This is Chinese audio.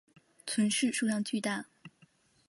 存世数量巨大。